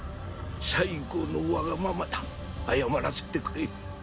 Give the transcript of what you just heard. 最後のわがままだ謝らせてくれ。